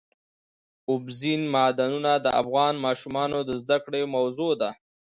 اوبزین معدنونه د افغان ماشومانو د زده کړې موضوع ده.